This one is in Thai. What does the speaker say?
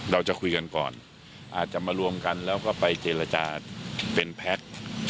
เราจะคุยกันก่อนอาจจะมารวมกันแล้วก็ไปเจรจาเป็นแพ็ค